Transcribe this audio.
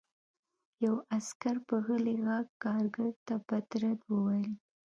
یوه عسکر په غلي غږ کارګر ته بد رد وویل